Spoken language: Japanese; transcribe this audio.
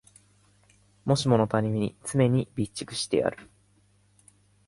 もしものために常に備蓄してある